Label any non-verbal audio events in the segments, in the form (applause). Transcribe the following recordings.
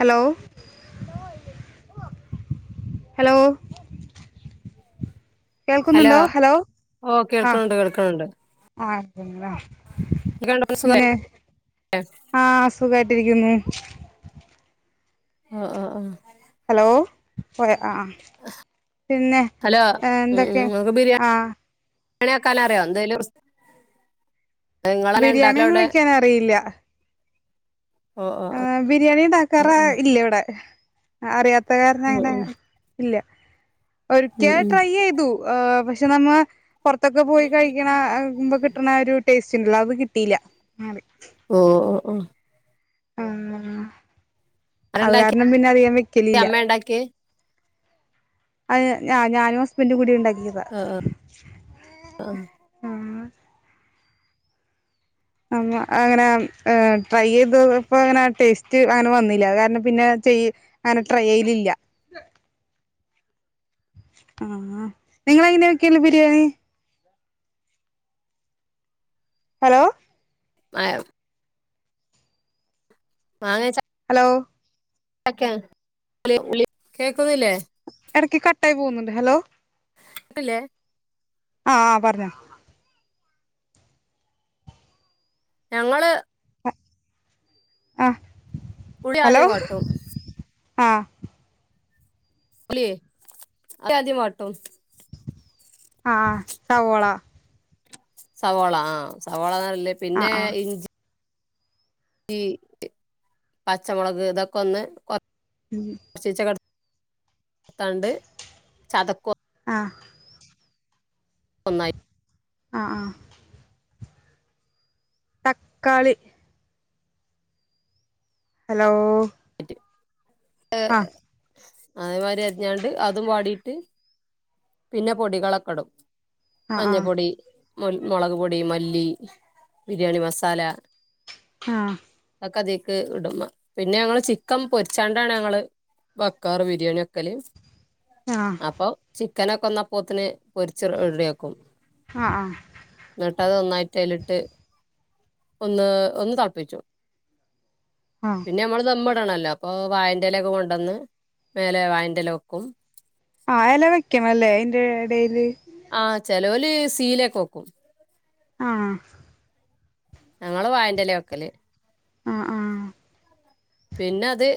Hello hello hello ഓഹ് ആഹ് കേൾക്കുണ് ഇണ്ട് കേൾക്കണ് ഇണ്ട് ആഹ് പിന്നെ ആഹ് സുഗാ ട്ടിരിക്കുന്നെ ആഹ് ആഹ് ആഹ് ഹലോ പോയ ആഹ് പിന്നെ ഹലോ എന്തൊക്കെ ആഹ് ണ വേക്കാല അറ്യോ എന്തേലും റിസ് ബിരിയാണി ഒന്നും വെക്കാൻ അറിയില്ല ഓ ഓ ഓ ആഹ് ബിരിയാണി ആ ഇണ്ടാക്കാറ് ആ ഇല്ല ഇവിടെ ആഹ് അറിയാം ഉം ഉം (unintelligible) ഇല്ല്യാ ഉം ഒരിക്കെ ഉം ട്രൈ ചെയ്തു ഏ പ റ്റ് നമ്മാ പൊർത്തൊക്കെ പോയി കഴിക്ക്ണെ ആ അയ്മ്പം കിട്ട്ണെ ആ ഒരു ടേസ്റ്റ് (unintelligible) കിട്ടീല്ല മാറി ഓ ഓ ഓ ആഹ് അത് ആരണ്ടാക്കിയെ കാരണം പിന്നെ അധികം വെക്കെലില്ല അമ്മ ഉണ്ടാക്കിയെ അയ് ഞ ഞാനും ഹസ്ബെന്റും കൂടി ഇണ്ടാക്കി ക്കിയെതാ ആ ആ ആഹ് അമ്മ അങ്ങനെ അം ഏ ട്രൈ ചെയ്തെപ്പോ അങ്ങനെ ടേസ്റ്റ് അങ്ങനെ വന്നില്ല അത് കാരണം പിന്നെ ചെയ്യ് അങ്ങനെ ട്രൈ ചെയ്യെൽ ഇല്ല ആഹ് അ നിങ്ങൾ എങ്ങനെ വെക്കല്ല് ബിരിയാണി? ഹലോ മായം മാങ്ങെച്ചാ ഓ (unintelligible) കേക്കുന്നില്ലെ? എടെക്ക് കട്ടായി പോവ്ന്ന് ഇണ്ട്. ഹലോ ഇപ്പ ഇല്ലെ? ആഹ് ആഹ് പർഞ്ഞോ? ഞങ്ങെൾ ആഹ് ഉള്ളി ഹലോ അദ്യം വാട്ടും ആഹ് ഉള്ളിയേ ഉളളി ആദ്യ വാട്ടും ആഹ് സവോള സവോള ആഹ് സവോള നല്ല ആഹ് പിന്നെ ആഹ് ഇഞ്ചി ഇ പച്ചമുളക് ഇതൊക്കെ ഒന്ന് കൊ കൊർച്ചിച്ചെ ക്കെ തണ്ട് ചതക്വാ ആഹ് ഒന്നായി അ ആ തക്കാളി ഹലോ ആഹ് (inaudible) അതേ മാതിരി അരിഞ്ഞാണ്ട് അതും വാടിട്ട് പിന്നെ പൊടികളൊക്കെടും ആഹ് ആഹ് മഞ്ഞപ്പൊടി മു മുളക് പൊടി മല്ലി ബിരിയാണി മസാല ആ അതിക്ക് ഇടും പിന്നെ ഞങ്ങള് ചിക്കൻ പൊരിച്ചാണ്ടാണ് ഞങ്ങള് വെക്കാറ് ബിരിയാണി വെക്കല്ല് ആഹ് ആഹ് അപ്പൊ ചി കനക്കെ അപോത്തിന് പൊരിച്ച് റെഡിയാക്കും ആഹ് എന്നിട്ട് അതന്നോയിട്ട് അയിലിട്ട് ഒന്ന് ഒന്ന് തളപ്പിച്ചും ആഹ് പിന്നെ നമ്മള് ദമ്മ ണല്ലോ അപ്പൊ വായന്റലക്കൊ കൊണ്ടുവന്ന് മേലെ വായന്റല വെക്കും ആഹ് എല വെ ല്ലേ ഐന്റെ എടേല് ചേലോല് സീലെക്കെ വെക്കും ആ ഞങ്ങള് വായന്റെലെ വെക്കല് അ ആ പിന്നെ അത്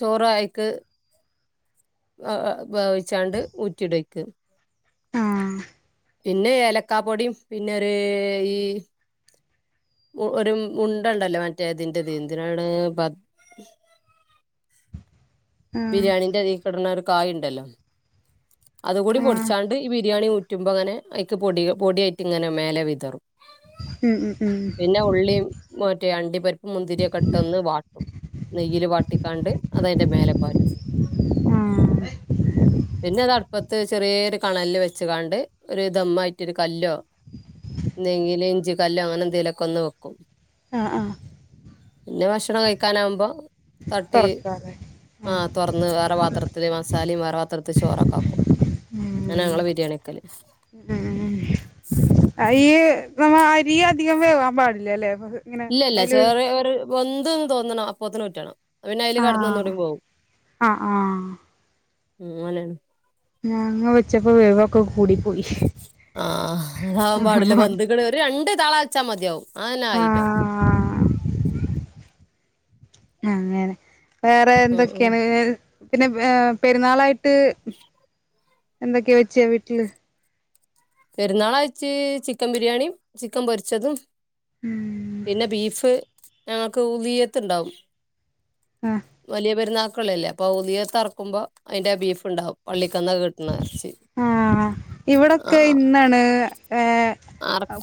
ചോറ് അയിക്ക് വേവിച്ചാണ്ട് ഊറ്റിടുയ്ക്ക് ആഹ് പിന്നെ ഏലക്കാ പൊടിയും പിന്നെ ഒരു ഈ ഒരു ഉണ്ടണ്ടല്ലോ മറ്റേ ഇതിന്റെത് എന്തിനാണ് പ ആഹ് ബിരിയാണിന്റെ ഇതിക്ക് ഇട്നൊ കായിണ്ടല്ലോ അതുകൂടി ആഹ് പൊടിച്ചാണ്ട് ഈ ബിരിയാണി മൂ ഉറ്റുമ്പോൾങ്ങനെ അയ്ക്ക് പൊടി പൊടിയായിട്ട് ഇങ്ങനെ മേലെ വിതറും ഉം ഉം പിന്നെ ഉള്ളിയ മറ്റേ അണ്ടിപരിപ്പ് മുന്തിരിയൊക്കെ ഇട്ട് ഒന്ന് വാട്ടും നെയ്യി ൽ വാട്ടിക്കാണ്ട് അതിന്റെ മേലെ ഉം ആഹ് പിന്നതാ അടുപ്പത്ത് ചെറിയൊരു കണലിൽ വെച്ച കാണ്ട് ഒരു ദമായിട്ട് ഒരു കല്ലോ എന്തെങ്കിലും ഇഞ്ചി കല്ലോ അങ്ങനെ എന്തെലൊക്കെ ഒന്ന് വെക്കും അ ആ പിന്നെ ഭക്ഷണം കഴിക്കാനവുമ്പോ തൊർക്ക ആ തുറന്ന് വേറെ പാത്രത്തില് മ സാലി വേറെപാത്രത്തത്തിൽ ചോറൊക്കെ ആക്കും ന ഉം ഞങ്ങളെ ബിരിയാണിക്കല് ഈ നമ്മ അരി അധികം വേവാൻ പാടില്ല അല്ലേ ഇല്ല ഇല്ല ചെറ ഒരു ഒ അത തോന്നണം അപ്പോത്തിന് ഊറ്റണം പിന്നെ അതില് കടന്ന് ആഹ ഒന്നൂടി പോകും ആ ആ ഉം അലാണ് ഞാങ്ങ വെച്ചപ്പോ വേവ് ആ അതാകൻ പാടില് ബന്ധുക്കള് ഒരു രണ്ടു താള അച്ചാ മതിയാവും അങ്ങനെ ആയില്ലോ ആഹ് ആങ്ങനെ വേറെ ഉം ഉം എന്തൊക്കെയാണ് പിന്നെ ഏ പെരുന്നാളായിട്ട് എന്തൊക്കെയാ വെച്ച വീട്ടില് പെരുന്നാളാഴച്ച് ചിക്കൻ ബിരിയാണിയും ചിക്കൻ പൊരിച്ചതും ഉം പിന്നെ ബീഫ് ഞങ്ങക്ക് ഉ വിയത്ത ഉണ്ടാവും ആഹ് വലിയ പെരുന്നാൾ മല്ലേ അപ്പൊ ഉദിയത് അറക്കുമ്പോ അതിന്റെ ബീഫ് ണ്ടാവും പള്ളിക്കന്നൊക്കെ കിട്ടുന്ന ഇറച്ചി ആഹ് ആ ഇവിടൊക്കെ ഇന്നാണ് ഏർ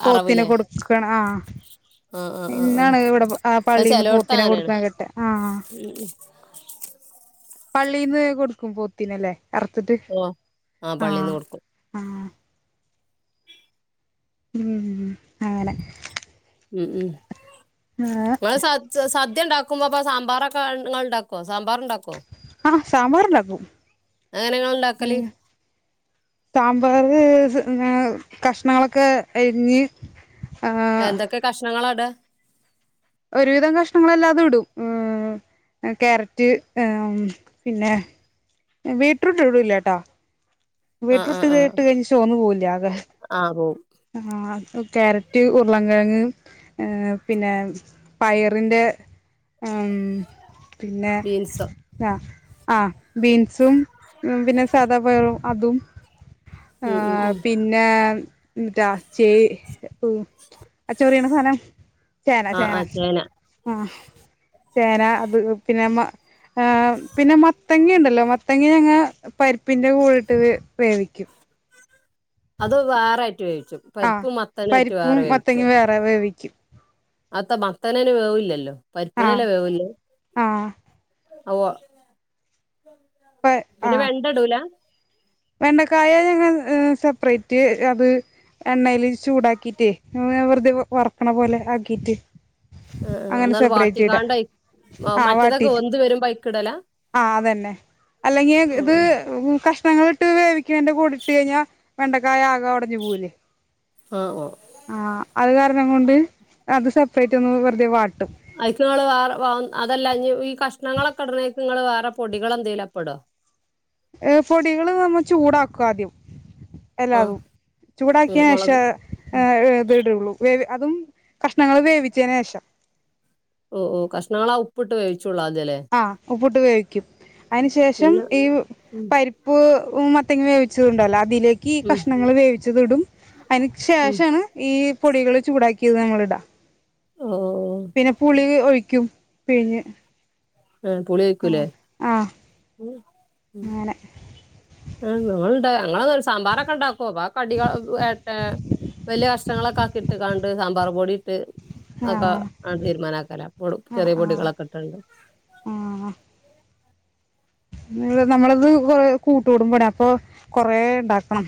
പോത്തിനെ അറവ്ല്ലേ കൊടുക്കണം ആഹ ആഹ് ആഹ് ആഹ് ആഹ് ഇന്നാണ് ഇവിടെ അത് പള്ളിൽന്ന് ചെലോട്ത്ത് പോത്തിനെ അങ്ങനേണ് കൊടുക്കൻ കേട്ടെ ആ ഉം ഉം പള്ളിന്ന് കൊടുക്കും പോത്തീനല്ലേ അറത്തിട്ട് ഓഹ് ആഹ് ആ പള്ളീന്ന് കൊടുക്കും ആ ഉം അങ്ങനെ മ്മ് മ്മ് ഏഹ് വളരെ സ സദ്യ ഉണ്ടാക്ക ആക്കുമ്പോ സാമ്പാറൊക്കെ ഉണ്ടാക്കുവോ സാമ്പാർ ഉണ്ടാക്കോ ആഹ സാമ്പാർ ഉണ്ടാക്കും അതെങ്ങനെ ഇങ്ങള് ഉം ഇണ്ടാക്കല് സാമ്പാർ കഷ്ണങ്ങളൊക്കെ അരിഞ്ഞ് ആഹ് എന്തൊക്കെ കഷ്ണങ്ങളട ഒരുവിധം കഷ്ണങ്ങളല്ലാതെ ഇടും ക്യാരറ്റ് പിന്നെ ബീറ്റ്റൂട്ട് ഇടുല്ലട്ടോ ആഹ് ആഹ് ബീറ്റ്റൂട്ട് ആഹ് ഇട്ടുകഴിഞ്ഞ ചൊവന്നു പോവില്ല ആകെ ആഹ് പോവും ആ ക്യാരറ്റ് ഉരുളകിഴങ്ങ് പിന്നെ പയറിന്റെ ഉ പിന്നെ ബീൻസോ ആ ആ ബീൻസും പിന്നെ സാദാപയറും അതും ഉം ഉം ഉം പിന്നെ ഇറ്റാ ചേ ഒ അ ച്ചോറിയണസാനം ചേന ആഹ് ചേന ആഹ് ആ ചേന അത് പിന്നെ മ ഏഹ് പിന്നെ മത്തങ്ങണ്ടല്ലോ മത്തങ്ങ ങ്ങനെ പരിപ്പിന്റെ കൂടെട്ട് ത് വേവിക്കും അത് വേറെ വേവിച്ചും ആ പരിപ്പും മത്തനുവായിട്ട് പരിപ്പും വേവിച്ചേ മത്തങ്ങും വേറെ വേവിക്കും അത്ത മത്തനേന് വേവുല്ലല്ലോ ആഹ് പരിപ്പിനല്ലേ വേവുള്ളൂ ആഹ് റവ പിന്നെ വെണ്ടടൂല വെണ്ണക്കായ ഞങ്ങ സെപ്പറേറ്റ് അത് എണ്ണൽ ചൂടാക്കിട്ടേ വെറുതെ വറക്കണ പോലെ ആക്കീട്ട് ആഹ് ആഹ് അങ്ങനെ ഒന്നാണ്ട് സെപ്പറേറ്റ് ഇട വാട്ടിക്കാണ്ട് അയി ആ, അ മറ്റേതൊക്കെ വാട്ടീട്ട് വെന്ത് വരുമ്പോ അയ്ക്കിടലാ ആതെന്നെ ഉം അല്ലെങ്കിത് ഉം കഷ്ഞങ്ങൾ ഇട്ട് വേവിക്കന്റെ കൂടെ ഇട്ട് കഴിഞ്ഞാ വെണ്ടക്കായ ആകെ ഒ ടഞ്ഞു പോകും ആഹ് ഓ ആ അത് വേറെ ന്ന കൊണ്ട് അത് സെപ്പറേറ്റ് ഒന്ന് വെറുതെ വാട്ടും അയ്ക്ക് ങ്ങള് വേറെ വ അതല്ലാം ഇ ഈ കഷ്ണങ്ങളൊക്കെ ഇട്ണെ ക്ക്ങ്ങള് വേറെ പൊടികളെന്തേലപ്പടോ ഏ പൊടികള് നമ്മ ചൂടാക്കും ആദ്യം ആഹ് എല്ലാതും ഉം ചൂടാക്കിയക്ഷ മൊളക് ഏ ഇത് ഇടുള്ളൂ വേ അതും കഷ്ണങ്ങൾ വേവിചെനെഷം ഉപ്പ്ട്ട് വേവി ചുള്ളാതെ ല്ലേ ഡ് കഴിക്കും അയിന് ശേഷം ഈ ഉം പരിപ്പ് (unintelligible) ത്ത്യങ്ങ വേവിച്ചതും ഉണ്ടല്ലോ അ തിലേക്ക് ഈ ഉം കഷ്ണങ്ങൾ വേവിച്ചതുടും അയ്ന് ഉം ശേഷാണ് ഈ പൊടികൾ ചൂടാ ക്കിതും കൂടി ഇടാ ഓ പിന്നെ പുളി ഒഴി ക്കും പിഴിഞ്ഞ് ആ പുളി ഒയിക്കു ആ ലേ ആ അങ്ങനെ ആ നമ്മൾ ടെ ങ്ങളതോര് സമ്പാറൊക്കെ ണ്ടാക്കും. അപ്പാ കടിക ഏഹ് വലിയ കഷങ്ങളൊക്കാക്കിട്ട്കാണ്ട് സാമ്പാറ് പൊടിട്ട് അ ആ ഒക്കെ ആണ്ട് തീര്മാനാക്കലാ പൊളും ആ ചെറിയ ആ പൊടികളൊക്കെ ഇട്ടാണ്ട് ആ (unintelligible) നമ്മളത് കൊറേ കൂട്ട്കൂടുമ്പാണേ അപ്പൊ കൊറേണ്ടാക്കണം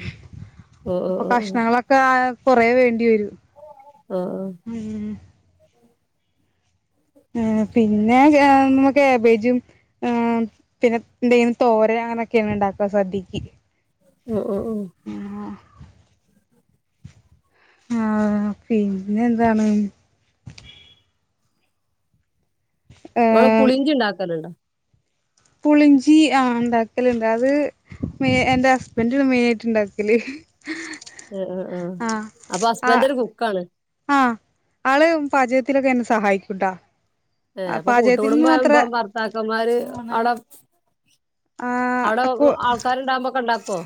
ഓ ഓ അപ്പൊ ഓ കഷ്ണങ്ങളൊക്കായാ കൊറേ വേണ്ടി വരും ഓ ആഹ് ആഹ് ഊം മ് പിന്നെ (unintelligible) ഇമ്മ കാബേജും, ആ പിന്നെ എന്തേലും തോരന് അങ്ങനൊക്കെയാണ് ഉണ്ടാക്കുക സദ്യക്ക്. ഓഹ് ഓഹ് ഓ ആഹ് ആഹ് പിന്നെ എന്താണ്? ങ്ങള് ഏഹ് പുളിഞ്ചി ഉണ്ടാക്കലുണ്ടോ? പുളിഞ്ചി ആ ഉണ്ടാക്കലുണ്ട്. അത് മേ എന്റെ ഹസ്ബൻഡ് മെയിനായിട്ട് ഉണ്ടാക്കല്. ആഹ് അഹ് ആ ആഹ് അപ്പൊ ആഹ് ഹസ്ബൻ്റൊരു കുക്കാണ്. ആഹ് ആള് പാചകത്തിലൊക്കെ എന്നെ സഹായിക്കുംട്ടാ. ഏ അപ്പൊ കൂട്ടുകുടുംബമാവുമ്പോ ഭർത്താക്കന്മാര് ആടെ അവടെ ആഹ് ആൾക്കാരൊണ്ടാകുമ്പോക്കെ ഒണ്ടാ കോ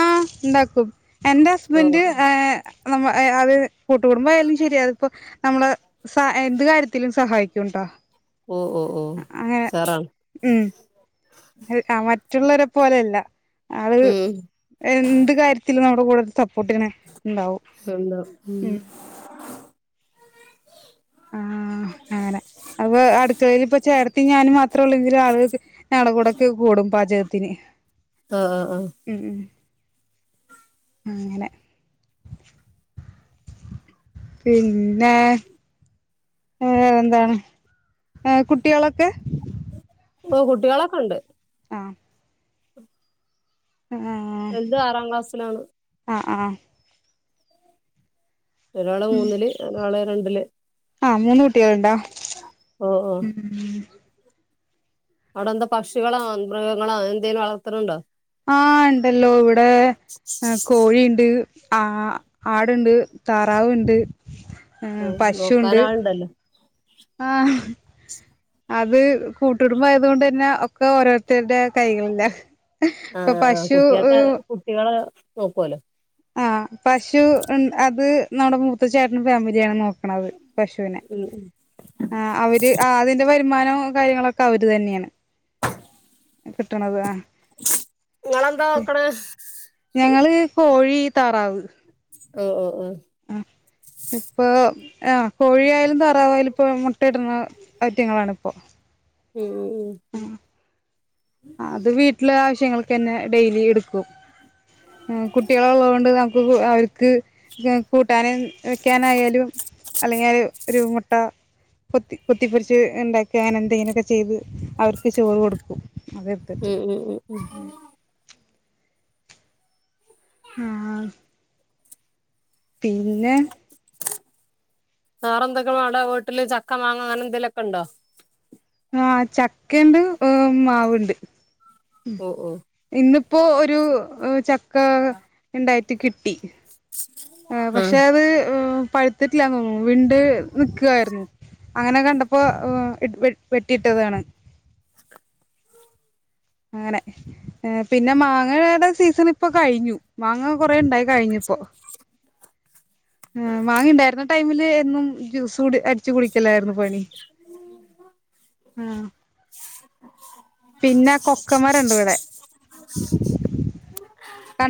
ആഹ് ഇണ്ടാക്കും. എന്റെ ഹസ്ബൻഡ് ഓഹ് ഏ നമ്മ അവര് കൂട്ടുകുടുംബയാലും ശരി അതിപ്പോ നമ്മള് എന്ത് കാര്യത്തിലും സഹായിക്കുംട്ടാ. ഓഹ് ഓഹ് ഓഹ് അ അങ്ങനെ ഉഷാറാണ് ഉം ഹെൽ മറ്റ് റ്റുള്ളവരെ പോലെയല്ല. അത് ഉം എന്ത് കാര്യത്തിലും നമ് ഇപ്പം കൂടുതല് സപ്പോർട്ട് ചെയ്യണേ. (unintelligible) ആഹ് അങ്ങനെ അപ്പൊ അടുക്കളയില് ഇപ്പ ചേട്ടത്തി ഞാനും മാത്രമേ ഉള്ളൂ. രാവിലോക്ക് ഞങ്ങടെ കൂടെയൊക്കെ കൂടും പാചകത്തിന്. ആഹ് ആഹ് ആഹ് ഉം ഉം അങ്ങനെ പിന്നെ വേറെ എന്താണ് ഏഹ് കുട്ടികളൊക്കെ. ഓ കുട്ടികളൊക്കെ ഉണ്ട്. ആഹ് ആഹ് വലുത് ആറാം ക്ലാസ്സിലാണ്. ആഹ് ആഹ് ഒരാള് മൂന്നില് ഒരാളെ രണ്ട്. അല്ലെ ആഹ് മൂന്ന് കു ട്ടികൾ ഉണ്ടോ ഓഹ് ഓഹ് ഉം. അവിടെ എന്താ പക്ഷികളോ മൃഗങ്ങളോ എന്തേലും വളർത്തണണ്ടോ. ആഹ് ഇണ്ടല്ലോ ഇവിടെ കോഴിണ്ട് ആ ആടിണ്ട് താറാവിണ്ട് ഓ നോക്കാൻ ആളിണ്ടല്ലോ ആഹ് അത് കൂട്ടുടുമ്പം ആയത് കൊണ്ട് തന്നെ ഒക്കെ ഓരോരുത്തരുടെ കൈകളിലാ ആ ഇപ്പൊ പശു കുട്ടികക്ക് കുട്ടികള് നോക്കുവല്ലോ ആഹ് പശു അത് നടെ മൂത്ത ചേട്ടൻ ഫാമിലായാണ് നോ (unintelligible) പശുവിനെ ഉം ഉം. ആ അവര് ആ അതിൻ്റെ (unintelligible) തീരുമാനോ കാര്യങ്ങളൊക്കെ അവര് തന്നെയാണ് കിട്ടണത് ആ നിങ്ങളെന്താ നോക്കണെ ഞങ്ങള് കോഴി തറാവ് ഓ ഓ ഓ ആ ഇപ്പൊ ആഹ് കോഴിയായാലും താറാവായാലും ഇപ്പൊ മുട്ടയിടുന്ന ഐറ്റങ്ങളാണ് ഇപ്പോ ഉം അത് വീട്ടിലെ ആവശ്യങ്ങൾക്ക ന്നെ ഡെയിലി എടുക്കും കുട്ടികള് ഒള്ള കൊണ്ട് നമുക്ക് അവർക്ക് കൂട്ടാന് വെക്കാനായാലും അല്ലെങ്കിൽ ഒരു (unintelligible) കൊത്തി കൊത്തിപൊരിച്ച് ഇണ്ടാക്കാനേതേനും (unintelligible) ചെയ്ത് അവർക്ക് ചോറ് കൊടുക്കും അതെടുത്തിട്ട് ഉം ഉം ഉം ഉം ആഹ് ആഹ് പിന്നെ വേറെന്തൊക്കും അവിടെ വീട്ടില് ചക്ക മാങ്ങ അങ്ങനെ എന്തേലുക്കെ ഒണ്ടോ ആഹ് ച കേണ്ട് മാവുണ്ട് ഓ ഓ ഇന്ന് ഇപ്പൊ ഒരു ച ക്കാ ഇണ്ടായി കുത്തി കിട്ടി ആ ആഹ് പക്ഷെ അത് പഴത്തിട്ടില്ലാ തോനുന്നു വിണ്ട് നിക്കുവായിരുന്നു അങ്ങനെ കണ്ടപ്പോ വെട്ടിയിട്ടതാണ് അങ്ങനെ പിന്നെ മാങ്ങയുടെ സീസണ ഇപ്പൊ കഴിഞ്ഞു മാങ്ങ കൊറേ ഇണ്ടായി കഴിഞ്ഞുപ്പൊ മാങ്ങ ഉണ്ടായിരുന്ന ടൈമില് എന്നും ജ്യൂസ് കുടി അടിച്ച് കുടി ക്കലായിരുന്നു പണി ആഹ് പിന്നെ കൊക്കെ മരം ഉണ്ട് ഇവിടെ ക (inaudible)